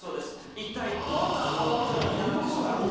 一体どんな泡踊りになるんでしょうか。